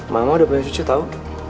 mama udah punya cuci tau